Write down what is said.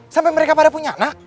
sampai mereka pada punya nak